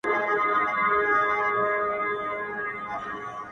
نه هغه تللې زمانه سته زه به چیري ځمه.!